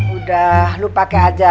udah lo pake aja